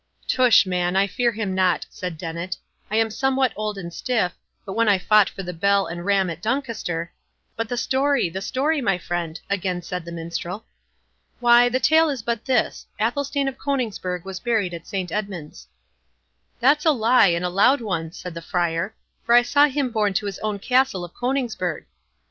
"Tush, man, I fear him not," said Dennet; "I am somewhat old and stiff, but when I fought for the bell and ram at Doncaster—" "But the story—the story, my friend," again said the Minstrel. "Why, the tale is but this—Athelstane of Coningsburgh was buried at Saint Edmund's." "That's a lie, and a loud one," said the Friar, "for I saw him borne to his own Castle of Coningsburgh."